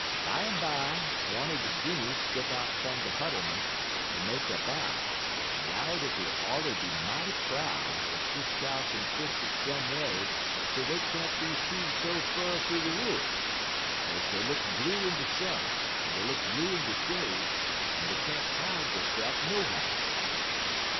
"Bimeby one er de Guinnies step out fum de huddlement en make a bow en 'low dat dey all 'ud be mighty proud ef Sis Cow kin fix it some way so dey can't be seed so fur thoo de woods, 'kaze dey look blue in de sun, en dey look blue in de shade, en dey can't hide deyse'f nohow.